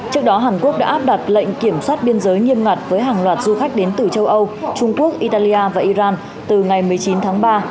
trước đó hàn quốc đã áp đặt lệnh kiểm soát biên giới nghiêm ngặt với hàng loạt du khách đến từ châu âu trung quốc italia và iran từ ngày một mươi chín tháng ba